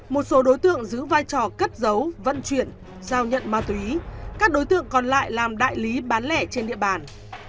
một số đối tượng giữ vai trò cất giấu vận chuyển giao nhận ma túy các đối tượng còn lại làm đại lý bán lẻ trên địa bàn